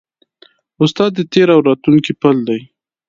استاد د تېر او راتلونکي پل دی.